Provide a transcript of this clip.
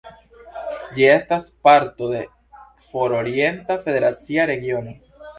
Ĝi estas parto de For-orienta federacia regiono.